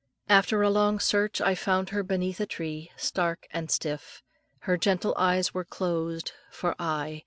After a long search I found her beneath a tree, stark and stiff. Her gentle eyes were closed for aye!